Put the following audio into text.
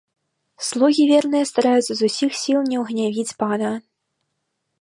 Слугі верныя стараюцца з усіх сіл не ўгнявіць пана.